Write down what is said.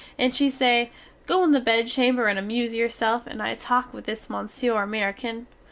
And she say: "Go in the bed chamber and amuse yourself, and I talk with this Monsieur Americain."